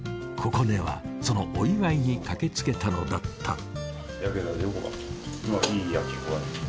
心寧はそのお祝いに駆けつけたのだった。